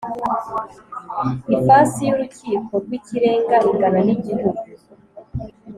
Ifasi y Urukiko rw Ikirenga ingana n igihugu